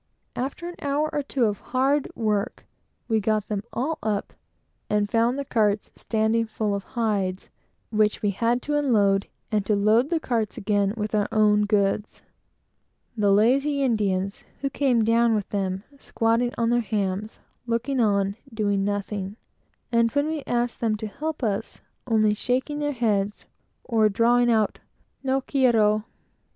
After an hour or two of hard work, we got them all up, and found the carts standing full of hides, which we had to unload, and also to load again with our own goods; the lazy Indians, who came down with them, squatting down on their hams, looking on, doing nothing, and when we asked them to help us, only shaking their heads, or drawling out "no quiero."